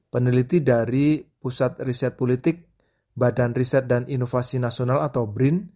peneliti dari pusat riset politik badan riset dan inovasi nasional atau brin